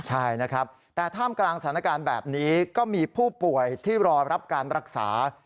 ใช่นะครับแต่ท่ามกลางสถานการณ์แบบนี้ก็มีผู้ป่วยที่รอรับการรักษา